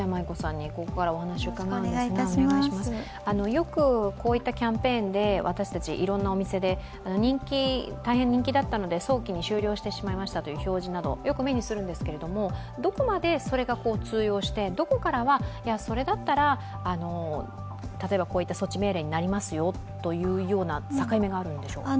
よくこういったキャンペーンで私たち、いろんなお店で大変人気だったので早期に終了してしまいましたという表示など、よく目にしますがどこまでそれが通用して、どこからそれだったら、例えばこういった措置命令になりますよという境目があるんでしょうか。